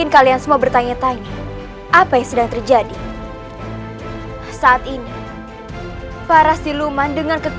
bahwa saat ini pajajaran sedang dalam keadaan genting